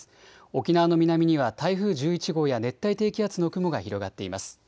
沖縄の南には台風１１号や熱帯低気圧の雲が広がっています。